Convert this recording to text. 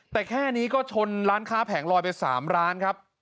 แต่แค่นี้ก็ชนร้านค้าแผงลอยไป๓ร้านครับ